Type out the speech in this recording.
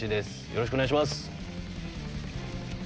よろしくお願いします。